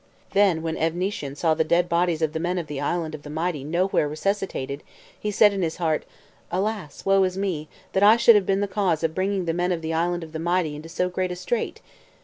Then when Evnissyen saw the dead bodies of the men of the Island of the Mighty nowhere resuscitated, he said in his heart, "Alas! woe is me, that I should have been the cause of bringing the men of the Island of the Mighty into so great a strait.